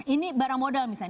ini barang modal misalnya